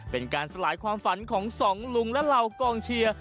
เป็นการสลายความฝันของสองลุงและเหล่ากองเชียร์